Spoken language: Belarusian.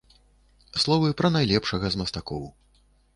Словы пра найлепшага з мастакоў.